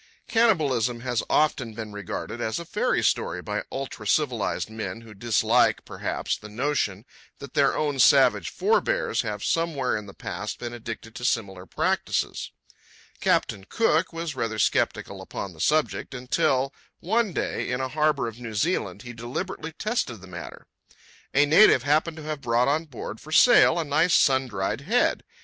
Cannibalism has often been regarded as a fairy story by ultracivilized men who dislike, perhaps, the notion that their own savage forebears have somewhere in the past been addicted to similar practices. Captain Cook was rather sceptical upon the subject, until, one day, in a harbour of New Zealand, he deliberately tested the matter. A native happened to have brought on board, for sale, a nice, sun dried head.